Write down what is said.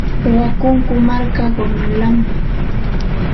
Wakunku marka quñullami.